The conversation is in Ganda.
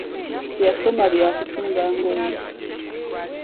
Yasoma bya kutunga ngoye.